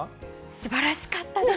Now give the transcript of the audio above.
素晴らしかったです。